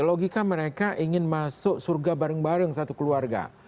logika mereka ingin masuk surga bareng bareng satu keluarga